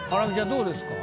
どうですか？